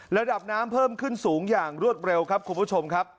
ระดับน้ำเพิ่มขึ้นสูงอย่างรวดเร็วครับคุณผู้ชมครับ